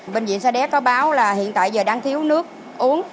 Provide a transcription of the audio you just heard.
bệnh viện sa đéc có báo là hiện tại giờ đang thiếu nước uống